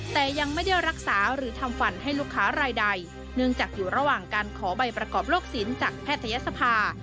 แต่ยังไม่ได้รักษาหรือทำฟันให้ลูกค้ารายใดเนื่องจากอยู่ระหว่างการขอใบประกอบโลกศิลป์จากแพทยศภา